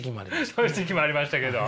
そういう時期もありましたけど。